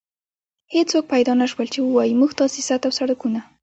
هېڅوک پيدا نه شول چې ووايي موږ تاسيسات او سړکونه.